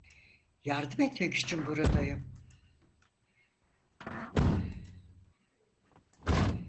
Yardım etmek için buradayım.